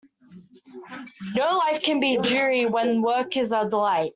No life can be dreary when work is a delight.